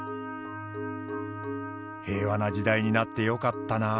平和な時代になってよかったなあ。